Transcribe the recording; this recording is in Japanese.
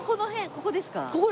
ここです。